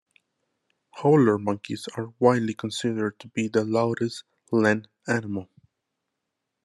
Howler monkeys are widely considered to be the loudest land animal.